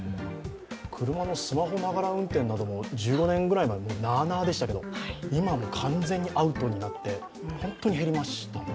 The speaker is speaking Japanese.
車のスマホながら運転なども１５年ぐらい前はなあなあでしたけど今はもう完全にアウトになって本当に減りましたよね。